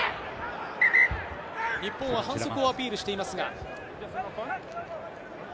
日本は反則をアピールしていますが。